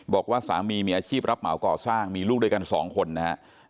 บอกว่าสามีมีอาชีพรับเหมาก่อสร้างมีลูกด้วยกัน๒คนนะครับ